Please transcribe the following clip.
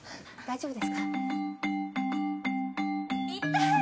痛い！